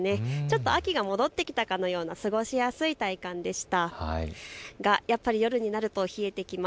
秋が戻ってきたかのような過ごしやすい体感でした。